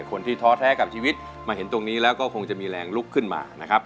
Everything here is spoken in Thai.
ท้อแท้กับชีวิตมาเห็นตรงนี้แล้วก็คงจะมีแรงลุกขึ้นมานะครับ